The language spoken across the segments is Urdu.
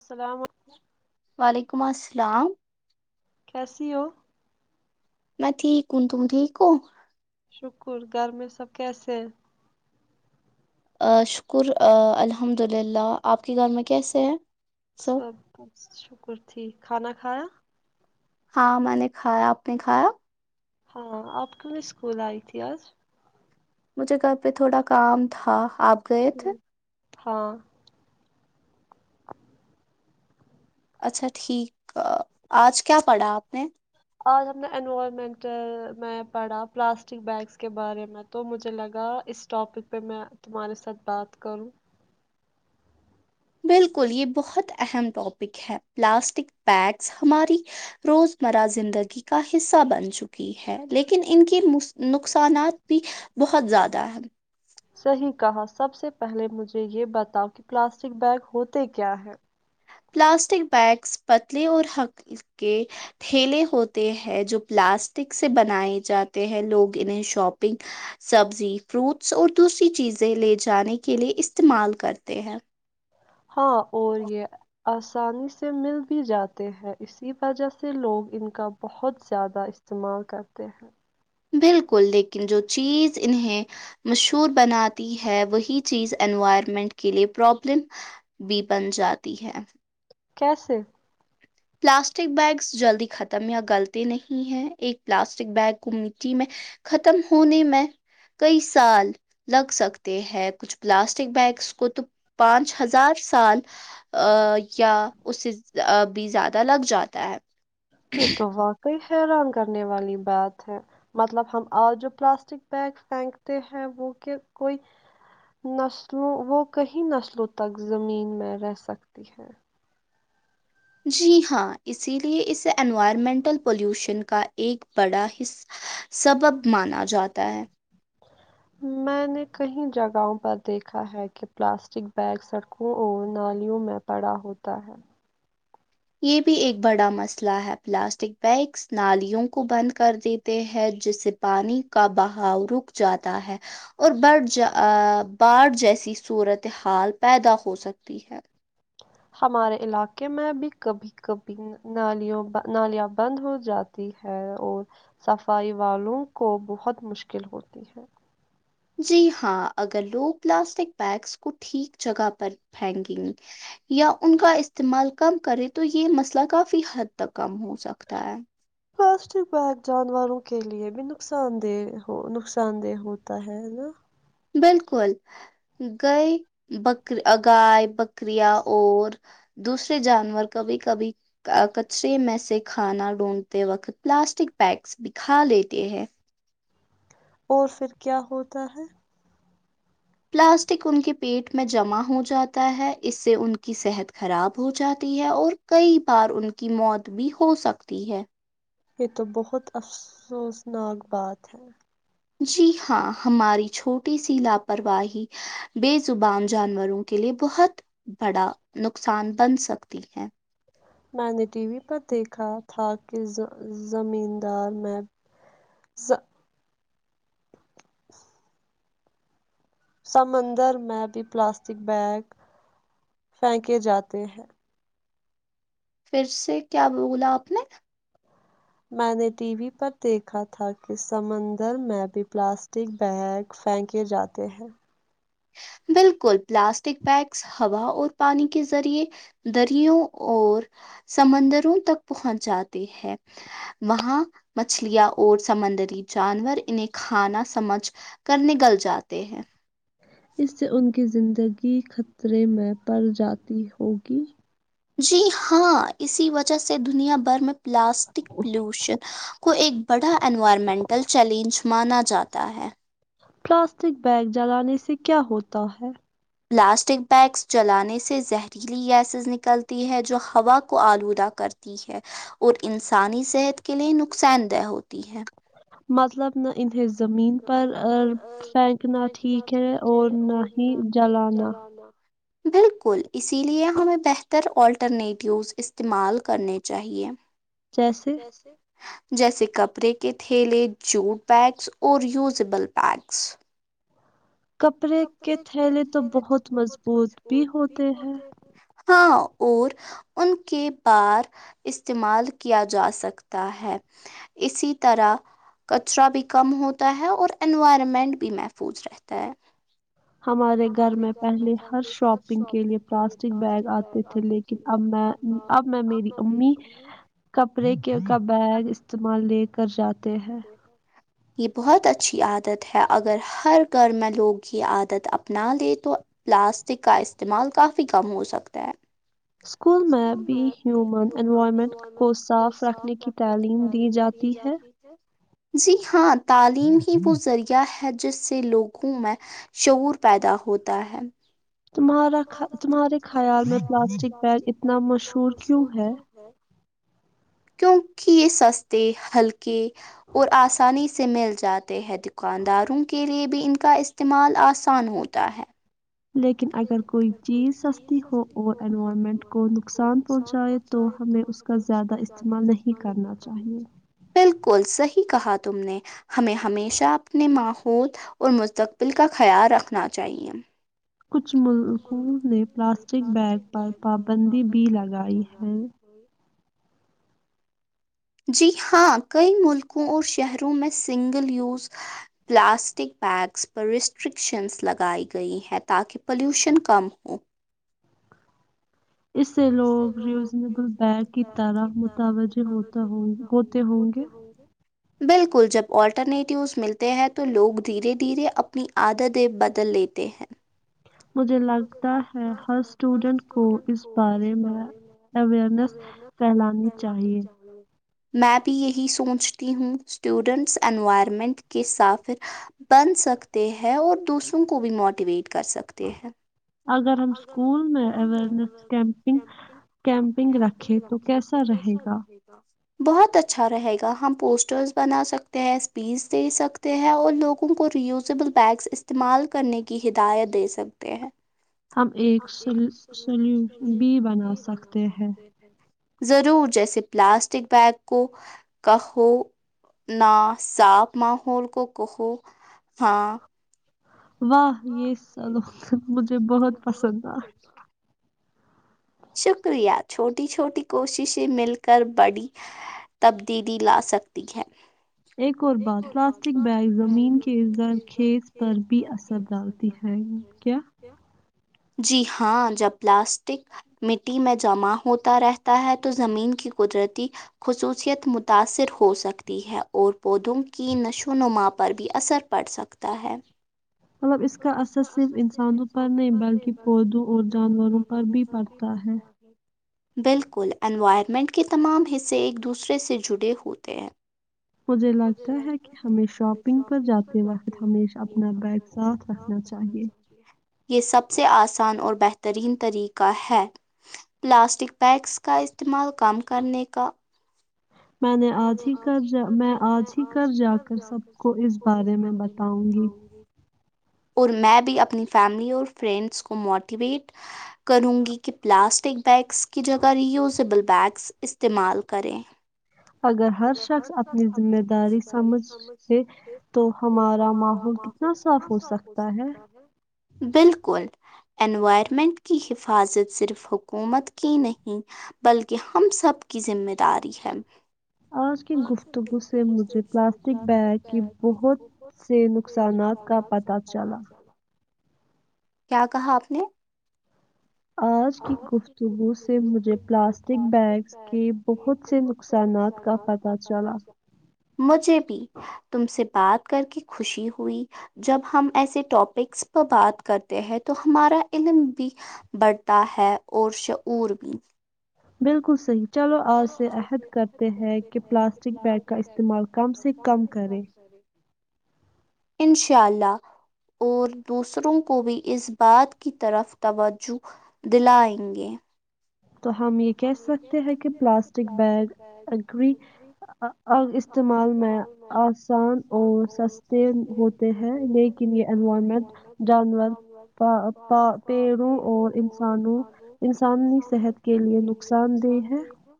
السلام وعلیکم السلام کیسی ہو میں ٹھیک ہوں تم ٹھیک ہو شکر گھر میں سب کیسے ہیں شکر الحمد للہ آپ کے گھر میں کیسے ہیں سب کہ شکر ٹھیک کھانا کھایا ہاں میں نے کھایا آپ نے کھایا ہاں آپ کیوں نہیں اسکول آئی تھی آج مجھے گھر پہ تھوڑا کام تھا آپ گئے تھے ہاں اچھا ٹھیک آج کیا پڑھا آپ نے آج ہم نے انوائرمنٹل میں پڑھا پلاسٹک بیگس کے بارے میں تو مجھے لگا اس ٹاپک پہ میں تمہارے ساتھ بات کروں بالکل یہ بہت اہم ٹاپک ہے پلاسٹک پگس ہماری روزمرہ زندگی کا حصہ بن چکی ہے لیکن ان کے نقصانات بھی بہت زیادہ ہے صحیح کہا سب سے پہلے مجھے یہ بتاؤ کہ پلاسٹک بیگ ہوتے کیا ہے پلاسٹک بیگس پتلے اور حق کے ٹھیلے ہوتے ہیں جو پلاسٹک سے بنائے جاتے ہیں لوگ انہیں شاپنگ سبزی فروٹس اور دوسری چیزیں لے جانے کے لئے استعمال کرتے ہیں ہاں اور یہ آسانی سے مل بھی جاتے ہیں اسی وجہ سے لوگ ان کا بہت زیادہ استعمال کرتے ہیں بالکل لیکن جو چیز انہیں مشہور بناتی ہے وہی چیز انوائرمنٹ کے لئے پرابلم بھی بن جاتی ہے کیسے پلاسٹک بیگس جلدی ختم یا گلتے نہیں ہیں ایک پلاسٹک بیگ کو مٹی میں ختم ہونے میں کئی سال لگ سکتے ہیں کچھ پلاسٹک بیگس کو تو پانچ ہزار سال یا اس سے بھی زیادہ لگ جاتا ہے یہ تو واقعی حیران کرنے والی بات ہے مطلب ہم آج جو پلاسٹک بیگ پھینکتے ہیں وہ کہ کوئی نسلوں وہ کیں نسلوں تک زمین میں رہ سکتی ہے جی ہاں اسی لے اسے انوائرمنٹل پلیوشن کا ایک بڑا سبب مانا جاتا ہے میں نے کئی جگہوں پر دیکھا ہے کہ پلاسٹک بیگ سڑکوں اور نالیوں میں پڑا ہوتا ہے یہ بھی ایک بڑا مسئلہ ہے پلاسٹک بیگس نالیوں کو بند کر دیتے ہے جس سے پانی کا بہاؤ رک جاتا ہے اور بڑھ باڑ جیسی صورت حال پیدا ہو سکتی ہے ہمارے علاقے میں بھی کبھی کبھی نالیاں بند ہو جاتی ہیں اور صفائی والوں کو بہت مشکل ہوتی ہیں جی ہاں اگر لوگ پلاسٹک بیگس کو ٹھیک جگہ پر پھینکیں گے یا ان کا استعمال کم کریں تو یہ مسئلہ کافی حد تک کم ہو پلاسٹک بیگ جانوروں کے لیے بھی نقصان دہ ہو نقصان دہ ہوتا ہے ہے نا بالکل گئے بکری گائے بکریا اور دوسرے جانور کبھی کبھی کچرے میں سے کھانا ڈھونڈتے وقت پلاسٹک پگس بھی کھا لیتے ہیں اور پھر کیا ہوتا ہے پلاسٹک ان کے پیٹ میں جمع ہو جاتا ہے اس سے ان کی صحت خراب ہو جاتی ہے اور کئی بار ان کی موت بھی ہو سکتی ہے یہ تو بہت افسوسناک بات ہے جی ہاں ہماری چھوٹی سی لاپرواہی بے زبان جانوروں کے لیے بہت بڑا نقصان بن سکتی ہے میں نے ٹی وی پر دیکھا تھا کہ زمیندار میں سمندر میں بھی پلاسٹک بیگ پھینکے جاتے ہیں پھر سے کیا بولا آپ نے میں نے ٹی وی پر دیکھا تھا کہ سمندر میں بھی پلاسٹک بیگ پھینکے جاتے ہیں بالکل پلاسٹک بیگس ہوا اور پانی کے ذریعے دروں اور سمندروں تک پہنچ جاتے ہے وہاں مچھلیاں اور سمندری جانور انہیں کھانا سمجھ کر نگل جاتے ہیں اس سے ان کی زندگی خطرے میں پڑ جاتی ہو گی جی ہاں اسی وجہ سے دنیا بھر میں پلاسٹک پولوشن کو ایک بڑا انوائرمنٹل چیلنج ہو مانا جاتا ہے پلاسٹک بیگ جلانے سے کیا ہوتا ہے پلاسٹک بیگس جلانے سے زہریلی گیسز نکلتی ہے جو ہوا کو آلودہ کرتی ہے اور انسانی صحت کے لیے نقصان دہ ہوتی ہے مطلب نا انہس زمین پر پھینکنا ٹھیک ہے اور نہ ہی جلانا بالکل اسی لیے ہمیں بہتر آٹرنیٹیوز استعمال کرنے چاہیے جیسری [inaudible] جیسے کپڑے کے تھیلے جوٹ بیگس اور یوزیبل بیگس کپڑے کے تھیلے تو بہت مضبوط بھی ہوتے ہیں [unintelligible] اور ان کے بار استعمال کیا جا سکتا ہے اسی طرح کچرا بھی کم ہوتا ہے اور انوائرمنٹ بھی محفوظ رہتا ہے ہمارے گھر میں پہلے ہر شاپنگ کے لیے پلاسٹک بیگ آتے تھے لیکن اب میں اب میں میری امی کپڑے کے کا بیگ استعمال لے کر جاتے ہیں ہے اگر ہر گھر میں لوگ کی عادت اپ اپنا لے تو پلاسٹک کا استعمال کافی کم ہو سکتا ہے اسکول میں بھیائٹ کو صاف رکھنے کی تعلیم دی جاتی ہے جی ہاں تعلیم ہی وہ ذریعہ ہے سے لوگوں میں شعور پر پیدا ہوتا ہے تمہارے خیال میں پلاسٹک بیگ اتنا مشہور کیوں ہے کیونکہ یہ سستے ہلکے اور آسانی سے مل جات ہیں دکانداروں کے لئے بھی ان کا استعمال آسان نسان ہوتا ہے لیکن اگر کوئی چیز سستی ہو اور انوائرمنٹ کو نقصان پہنچائے تو ہمیں اس کا زیادہ استعمال نہیں کرنا چاہیے ب صحیح کہا تم نے ہمیں ہمیشہ اپنے ماحول اور مستقبل کا خیال رکھنا چاہیے کچھ ملکوں نے پلاسٹک بیگ پر پابندی بھی لگائی ہے جی ہاں کئی ملکوں اور شہروں میں سنگل یوز پلاسٹک بیگس پر ریسٹرکشنس لگائی گئی ہیں تاکہ پلیوشن کم ہو اس سے لوگ ریوزنیبل بیگ کی طرح متوجہ ہوتا ہ ہوتے ہوں گے بالکل جب آلٹرنیٹیوز ملتے ہیں تو لوگ دھیرے دھیرے اپنی عادتیں بدل لیتے ہیں مجھے لگتا ہے ہر اسٹوڈینٹ کو اس بارے میں اورنیس پھیلانی چاہیے میں بھی یہی سوچتی ہوں اسٹوڈینٹس انوائرمنٹ کے سافر بن سکتے ہیں اور دوسروں کو بھی موٹیویٹ کر سکتے ہیں اگر ہم اسکول میں اویرنیس کیمپنگ کیمپنگ رکھیں تو کیسا رہے گا بہت اچھا رہے گا ہم پوسٹرس بنا سکتے ہیں اسپیچ دے سکتے ہیں اور لوگوں کو ریوزیبل بیگس استعمال کرنے کی ہدایت دے سکتے ہیں ہم ایک سلیوشن بھی بنا سکتے ہیں ضرور جیسے پلاسٹک بیگ کو کہو نہ صاف ماحول کو کہو ہاں واہ یہ سلو مجھے بہت پسند آ شکریہ چھوٹی چھوٹی کوششیں مل کر بڑی تبدیلی لا سکتی ہیں ایک اور بعد پلاسٹک بیگ زمین کے زرخیز پر بھی اثر سب ڈالتی ہیں کیا جی ہاں جب پلاسٹک مٹی میں جمع ہوتا رہتا ہے تو زمین کی قدرتی خصوصیت متاثر ہوسکتی ہے اور پودوں کی نشو نما پر بھی اثر پڑ سکتا ہے مطلب اس کا اثر صرف انسانوں پر نہیں بلکہ پودوں اور جانوروں پر بھی پڑتا ہے بالکل انوائرمنٹ کے تمام حصے ایک دوسرے سے جڑے ہوتے ہیں مجھے لگتا ہے کہ ہمیں شاپنگ پر جاتے وقت ہشہ اپنا بیگ ساتھ رکھ سمجی سب سے آسان اور بہترین طریقہ ہے پلاسٹک بیگس کا استعمال کم کرنے کا میں نےج میں آج ہی کر جا کر سب کو اس بارے میں بتاؤں گی اور میں بھی اپنی فیملی اور فرینڈس کو موٹیویٹ کروں گی کہ پلاسٹ بیگس کی جگہ ریوزبل بیگس استعمال کریں اگر ہر شخص اپنی ذمہ داری سمجھ ہے تو ہمارا ماحول کتنا صاف ہو سکتا ہے بالکل انوائرمنٹ کی حفاظت صرف حکومت کی نہیں بلکہ ہم سب کی ذمہ داری ہے آج کی گفتگو سے مجھے پلاسٹک بیگ کے بہت سے نقصانات کا پتہ چلا کیا کہا آپ نے؟ آج کی گفتگو سے مجھے پلاسٹک بیگس کے بہت سے نقصانات مجھے تم سے بات کر کے خوشی ہوئی جب ہم ایسے ٹاپکس پر بات کرتے ہیں تو ہمارا علم بھی بڑھتا ہے اور شعور بھی بالکل صحیح چلو آج سے عہد کرتے ہیں کہ پلاسٹک بیگ کا استعمال کم سے کم کریں انشاء اللہ اور دوسروں کو بھی اس بات کی طرف توجہ دلائیں گے تو ہم یہ کہہ سکتے ہیں کہ پلاسٹک بیگ استعمال میں آسان اور سستے ہوتے ہیں لیکن یہ انورمنٹ جانور پیڑوں اور انانوں انسانی صحت کے لیے نقصان گئی تھا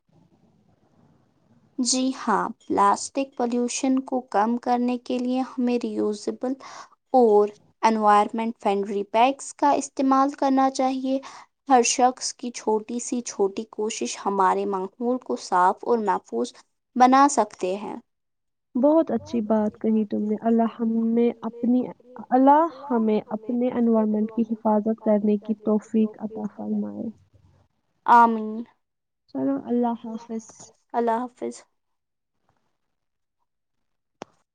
جی ہاں پلاسٹک پالوشن کو کم کرنے کے لیے ہمیں ریوزیبل اور انوائرمنٹ فنڈری پیکس کا استعمال کرنا چاہیے ہر شخص کی چھوٹی سی چھوٹی کوشش ہمارے ماحول کو صاف اور محفوظ بنا سکتے ہیں بہت اچھی بات کہی تم نے ال ہم اپنی ال ہمیں اپنے انوائرمنٹ کی حفاظت کرنے کی توفیق عطا فرمائے امین چلو اللہ حافظ آفظ